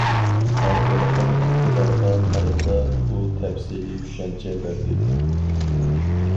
ھەر بىر خىل ئىقتىدارغا قارىتا ئۇ تەپسىلىي چۈشەنچە بەردى.